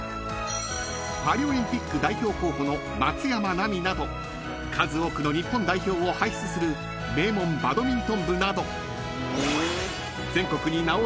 ［パリオリンピック代表候補の松山奈未など数多くの日本代表を輩出する名門バドミントン部など］